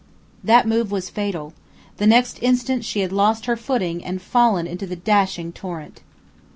That move was fatal; the next instant she had lost her footing and fallen into the dashing torrent.